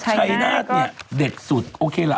ชัยนาธเนี่ยเด็ดสุดโอเคล่ะ